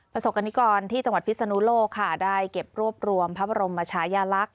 ประสบกรณิกรที่จังหวัดพิศนุโลกค่ะได้เก็บรวบรวมพระบรมชายาลักษณ์